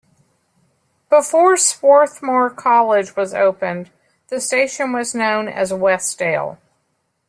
Before Swarthmore College was opened, the station was known as Westdale.